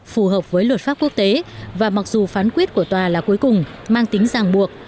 phù hợp với luật pháp quốc tế và mặc dù phán quyết của tòa là cuối cùng mang tính giảng buộc